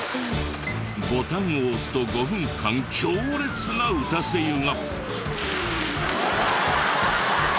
ボタンを押すと５分間強烈な打たせ湯が。